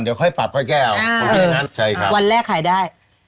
เดี๋ยวค่อยปรับค่อยแก้เอาผมแค่นั้นใช่ครับวันแรกขายได้